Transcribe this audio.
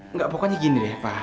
enggak pokoknya gini deh pak